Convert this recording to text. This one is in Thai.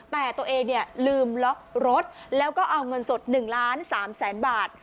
แต่ตัวเองเนี่ยลืมล็อกรถแล้วก็เอาเงินสด๑ล้าน๓แสนบาท